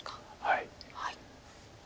はい。